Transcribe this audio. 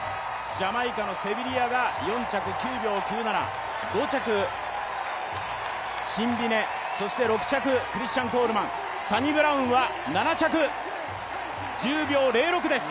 ジャマイカのセビリアが４着９秒９７５着シンビネ、６着、コールマン、サニブラウンは７着、１０秒０６です。